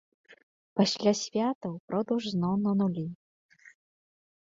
Пасля святаў продаж зноў на нулі.